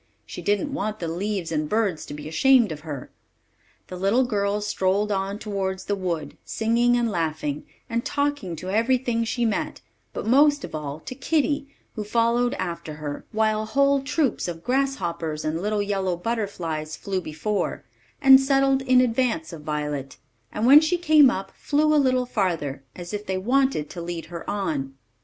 She didn't want the leaves and birds to be ashamed of her. The little girl strolled on towards the wood, singing and laughing, and talking to every thing she met, but most of all to kitty, who followed after her; while whole troops of grasshoppers and little yellow butterflies flew before, and settled in advance of Violet, and when she came up, flew a little farther, as if they wanted to lead her on.